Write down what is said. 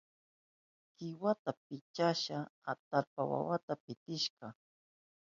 Kiwata pichashpan atallpa wawata pitishka.